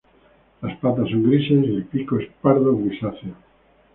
Las patas son grises y el pico es pardo grisáceo.